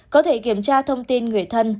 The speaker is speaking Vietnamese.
có thể kiểm tra thông tin người thân